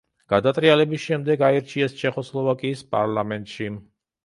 გადატრიალების შემდეგ აირჩიეს ჩეხოსლოვაკიის პარლამენტში.